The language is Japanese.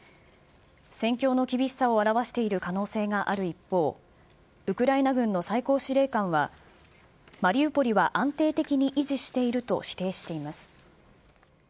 戦況の厳しさを表している可能性がある一方、ウクライナ軍の最高司令官は、マリウポリは安定的に維持していると否定しています。